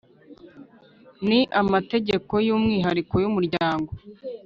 Ni amategeko y’umwihariko y’umuryango